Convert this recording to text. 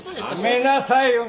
やめなさいよ。